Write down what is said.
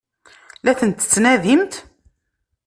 La tent-tettnadimt?